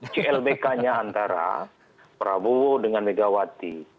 clbk nya antara prabowo dengan megawati